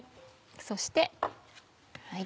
そして。